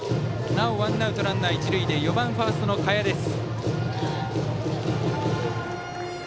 なおワンアウト一塁で４番ファーストの賀谷です。